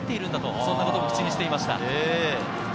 そんな言葉を口にしてました。